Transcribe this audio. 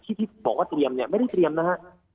ที่ที่บอกว่าเตรียมเนี่ยไม่ได้เตรียมนะฮะ